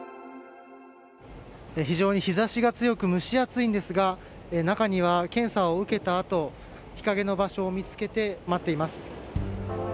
非常に日差しが強く蒸し暑いんですが中には検査を受けたあと日陰の場所を見つけて待っています。